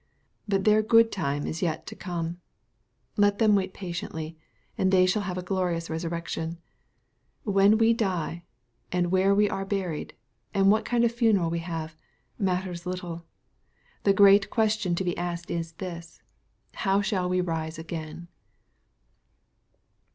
But their good time is yet to come. Let them wait patiently, and they shall have a glorious resurrection. When we die, and where we are buried, and what kind of a funeral we have,, matters little. The great question to be asked is this, " How shall we rise again